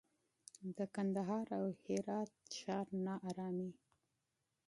د کندهار او هرات ښار ناارامي